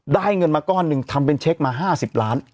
เงินมาก้อนหนึ่งทำเป็นเช็คมา๕๐ล้าน